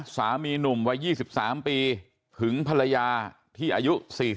สามีหนุ่มวัย๒๓ปีหึงภรรยาที่อายุ๔๐